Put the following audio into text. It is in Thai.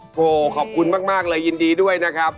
โหขอบคุณมากเลยยินดีด้วยนะครับ